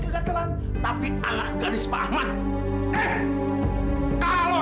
sampai jumpa di video selanjutnya